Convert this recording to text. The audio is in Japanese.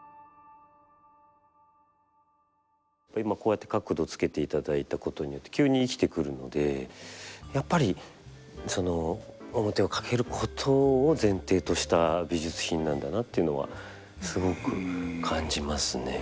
今こうやって角度つけていただいたことによって急に生きてくるのでやっぱり面をかけることを前提とした美術品なんだなっていうのはすごく感じますね。